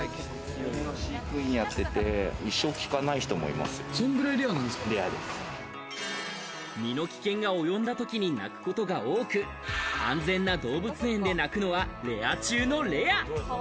キリンの飼育員やってて、身の危険が及んだときに泣くことが多く、安全な動物園で鳴くのはレア中のレア。